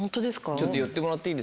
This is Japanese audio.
ちょっと寄ってもらっていい？